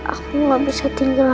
aku gak bisa tinggal di rumah